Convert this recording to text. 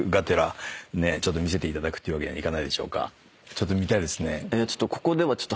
ちょっと見たいですね。